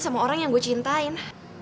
sama orang yang gue cintain